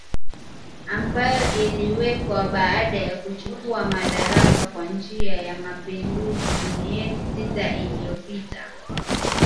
ambayo iliwekwa baada ya kuchukua madaraka kwa njia ya mapinduzi miezi sita iliyopita